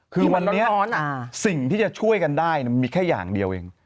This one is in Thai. คือวันนี้สิ่งที่จะช่วยกันได้มีแค่อย่างเดียวเอง